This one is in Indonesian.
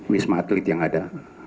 wisma atlet yang ada